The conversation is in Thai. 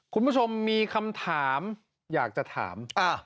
คุณผู้ชมมีคำถามอยากจะถาม